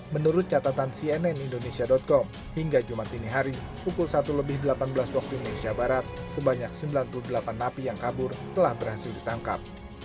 menurut catatan cnn indonesia com hingga jumat ini hari pukul satu lebih delapan belas waktu indonesia barat sebanyak sembilan puluh delapan napi yang kabur telah berhasil ditangkap